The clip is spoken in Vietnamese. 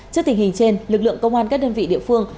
trước tình hình trên lực lượng công an các đơn vị địa phương